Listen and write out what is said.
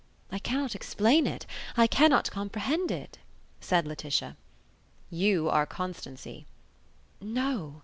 "I cannot explain it; I cannot comprehend it," said Laetitia. "You are Constancy." "No."